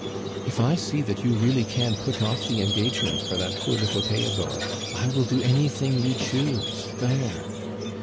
"If I see that you really can put off the engagement for that poor little Theodore, I will do anything you choose there!"